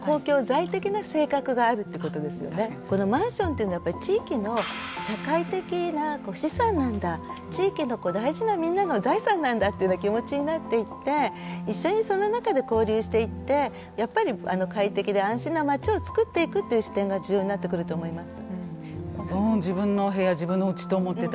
このマンションっていうのはやっぱり地域の社会的な資産なんだ地域の大事なみんなの財産なんだっていうような気持ちになっていって一緒にその中で交流していってやっぱり快適で安心な街を作っていくっていう視点が重要になってくると思います。